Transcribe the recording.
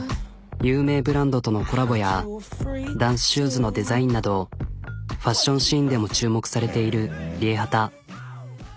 有名ブランドとのコラボやダンスシューズのデザインなどファッションシーンでも注目されているＲＩＥＨＡＴＡ。